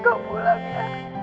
kau pulang ya